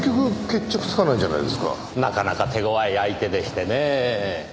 なかなか手ごわい相手でしてねぇ。